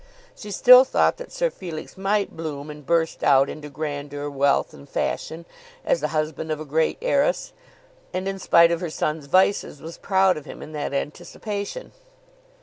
She still thought that Sir Felix might bloom and burst out into grandeur, wealth, and fashion, as the husband of a great heiress, and in spite of her son's vices, was proud of him in that anticipation.